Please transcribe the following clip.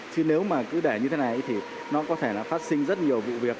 chứ nếu mà cứ để như thế này thì nó có thể là phát sinh rất nhiều vụ việc